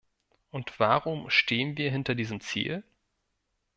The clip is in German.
Und warum stehen wir hinter diesem Ziel?